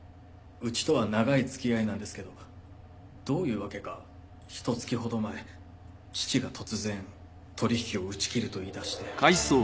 うちとは長いつきあいなんですけどどういうわけかひと月ほど前父が突然取引を打ち切ると言い出して。